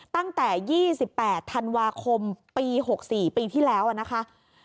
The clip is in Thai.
ตั้งแต่๒๘ธันวาคมปี๖๔ปีที่แล้วนะคะ